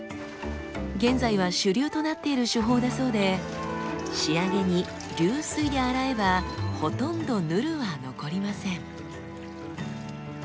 現在は主流となっている手法だそうで仕上げに流水で洗えばほとんどヌルは残りません。